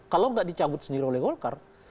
kalau nggak dicabut sendiri oleh golkar